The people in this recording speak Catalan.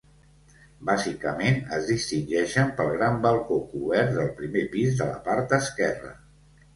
Bàsicament es distingeixen pel gran balcó cobert del primer pis de la part esquerra.